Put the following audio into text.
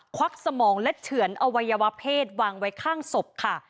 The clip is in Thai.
วักสมองและเฉือนอวัยวะเพศวางไว้ข้างศพค่ะ